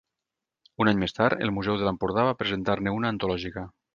Un any més tard, el Museu de l'Empordà va presentar-ne una antològica.